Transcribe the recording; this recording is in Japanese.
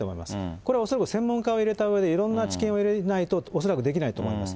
これは恐らく専門家を入れたうえで、いろんな知見を入れないと、恐らくできないと思います。